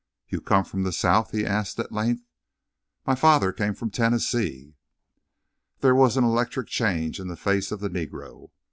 "You come from the South?" he asked at length. "My father came from Tennessee." There was an electric change in the face of the Negro.